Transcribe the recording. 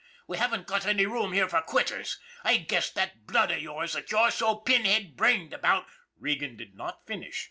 We haven't got any room here for quitters. I guess that blood of yours you're so pinhead brained proud " Regan did not finish.